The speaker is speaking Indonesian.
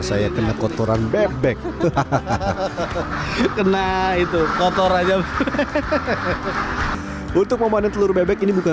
saya kena kotoran bebek hahaha kena itu kotor aja untuk memanen telur bebek ini bukan